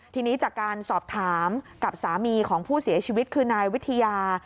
ทีนี้จากการสอบถามกับสามีของผู้เสียชีวิตคือนายวิทยา